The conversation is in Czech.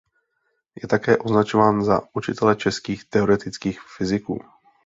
Je také označován za učitele českých teoretických fyziků.